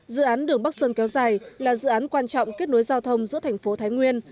dự án đường bắc sơn kéo dài là dự án quan trọng kết nối giao thông giữa thành phố thái nguyên